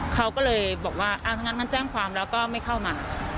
เขาก็เลยบอกว่าถ้างั้นแจ้งความแล้วก็ไม่เข้ามา